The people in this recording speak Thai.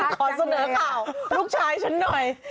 ขอเสนอข่าวลูกชายฉันหน่อย